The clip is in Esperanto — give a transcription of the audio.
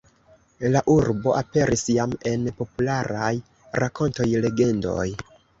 La urbo aperis jam en popularaj rakontoj, legendoj.